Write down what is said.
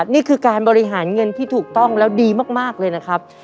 นี่คือการบริหารเงินที่ถูกต้องแล้วดีมากเลยนะครับ